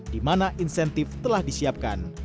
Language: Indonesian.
di mana insentif telah disiapkan